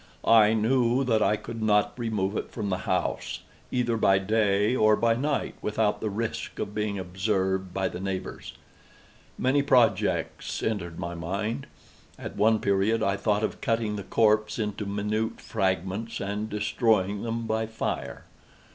I knew that I could not remove it from the house, either by day or by night, without the risk of being observed by the neighbors. Many projects entered my mind. At one period I thought of cutting the corpse into minute fragments, and destroying them by fire.